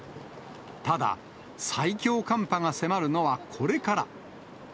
ただ、最強寒波が迫るのはこれから。